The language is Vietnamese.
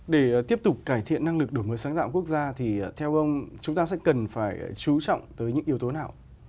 để tiếp tục cải thiện năng lực đổi mới sáng tạo quốc gia thì theo ông chúng ta sẽ cần phải chú trọng tới những yếu tố nào